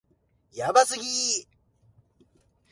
やばすぎ